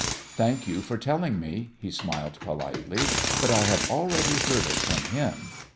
"Thank you for telling me," he smiled politely, "but I have already heard it from him."